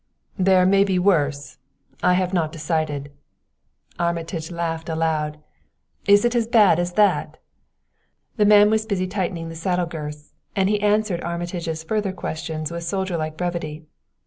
"There may be worse I have not decided." Armitage laughed aloud. "Is it as bad as that?" The man was busy tightening the saddle girths, and he answered Armitage's further questions with soldierlike brevity.